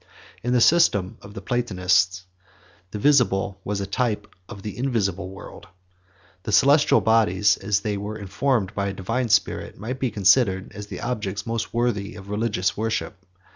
In the system of Platonists, the visible was a type of the invisible world. The celestial bodies, as they were informed by a divine spirit, might be considered as the objects the most worthy of religious worship.